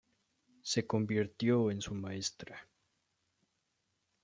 Se convirtió en su maestra.